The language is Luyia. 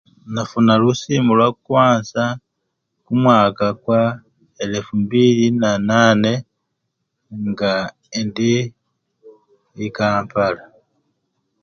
Nafuna lusimu lwakwansa kumwaka kwa elefu-mbili-na nane nga endi ikampala.